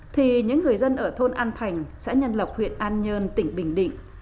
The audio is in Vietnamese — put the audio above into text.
thì những người dân ở thôn an thành xã nhân lộc huyện an nhơn tỉnh bình định